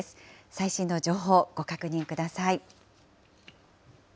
最新の情報、ご確認ください。